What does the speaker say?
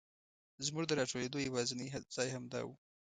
زمونږ د راټولېدو یواځینی ځای همدا و.